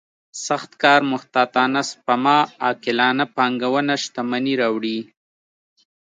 سخت کار محتاطانه سپما عاقلانه پانګونه شتمني راوړي.